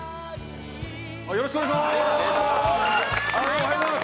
よろしくお願いします。